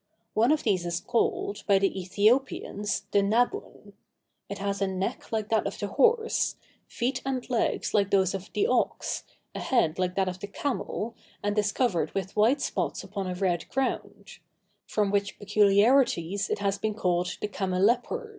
One of these is called, by the Æthiopians, the nabun. It has a neck like that of the horse, feet and legs like those of the ox, a head like that of the camel, and is covered with white spots upon a red ground; from which peculiarities it has been called the cameleopard.